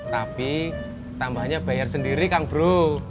tapi tambahnya bayar sendiri kang bro